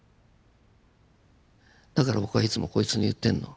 だから僕はいつもこいつに言ってんの。